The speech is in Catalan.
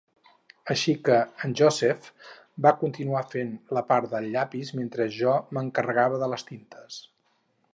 Així que el Joseph va continuar fent la part del llapis mentre que jo m'encarregava de les tintes.